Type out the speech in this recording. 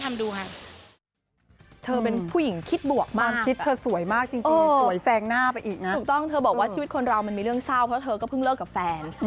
ถูกต้องเธอบอกว่าชีวิตคนเรามันมีเรื่องเศร้าเพราะเธอก็เพิ่งเลิกกับแฟน